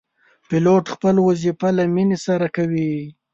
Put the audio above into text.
پیلوټ خپل وظیفه له مینې سره کوي.